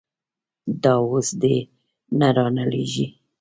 دا اوس دې نه رانړېږي.